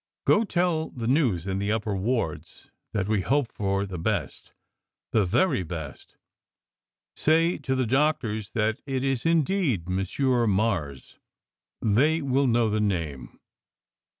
Go tell the news in the upper wards, that we hope for the best, the very best. Say to the doctors that it is indeed Monsieur Mars. They will know the name.